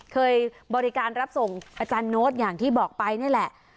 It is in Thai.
เคยบริการรับส่งอาจารย์โน้ตอย่างที่บอกไปนี่แหละ